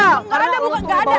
akhirnya gue udah dinding ga kebas